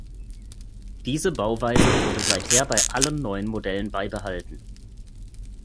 Diese Bauweise wurde seither bei allen neuen Modellen beibehalten.